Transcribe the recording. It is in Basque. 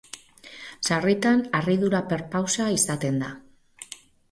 Sarritan harridura perpausa izaten da.